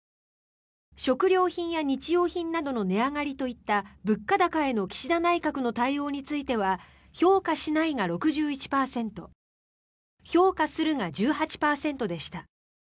食料品や日用品などの値上がりといった物価高への岸田内閣の対応については評価しないが６１％評価するが１８％でした。